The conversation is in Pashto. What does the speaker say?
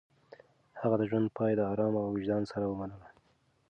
هغه د ژوند پاى د ارام وجدان سره ومنله.